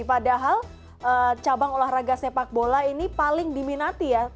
padahal cabang olahraga sepak bola ini paling diminati ya